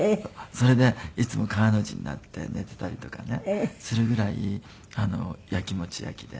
それでいつも川の字になって寝ていたりとかねするぐらいやきもち焼きで。